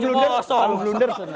di mana gak blunder itu